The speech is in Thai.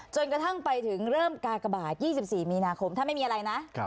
จนกระทั่งไปถึงเริ่มกากบาท๒๔มีนาคมถ้าไม่มีอะไรนะ